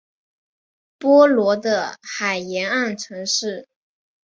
波罗的海沿岸城市。